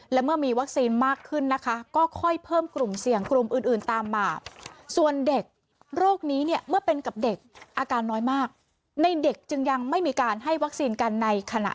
และเมื่อมีวัคซีนมากขึ้นนะคะก็ค่อยเพิ่มกลุ่มเสี่ยงกลุ่มอื่นตามมาส่วนเด็ก